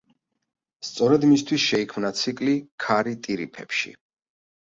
სწორედ მისთვის შეიქმნა ციკლი „ქარი ტირიფებში“.